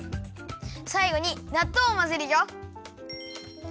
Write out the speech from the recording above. さいごになっとうをまぜるよ。